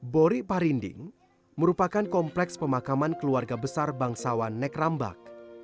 bori parinding merupakan kompleks pemakaman keluarga besar bangsawan nekrambak